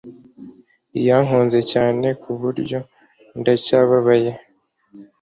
iyankunze cyane kuburyo ndacyababaye